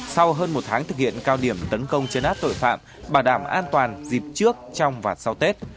sau hơn một tháng thực hiện cao điểm tấn công chấn áp tội phạm bảo đảm an toàn dịp trước trong và sau tết